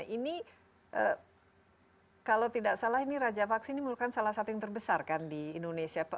ini kalau tidak salah ini raja vaksi ini merupakan salah satu yang terbesar kan di indonesia